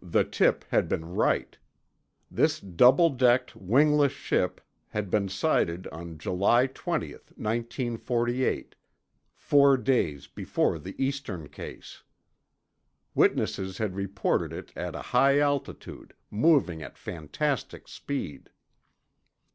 The tip had been right. This double decked, wingless ship had been sighted on July 20, 1948—four days before the Eastern case. Witnesses had reported it at a high altitude, moving at fantastic speed.